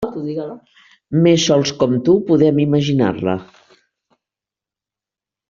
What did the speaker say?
Mes sols com tu podem imaginar-la.